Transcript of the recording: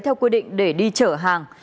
theo quy định để đi chở hàng